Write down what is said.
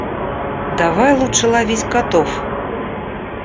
Давай лучше ловить котов!